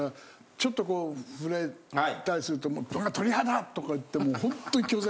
ちょっと触れたりすると「鳥肌！」とか言ってホントに拒絶。